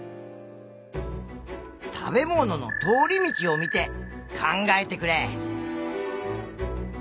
食べ物の通り道を見て考えてくれ！